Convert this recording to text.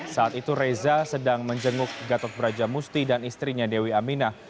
saat itu reza sedang menjenguk gatot brajamusti dan istrinya dewi aminah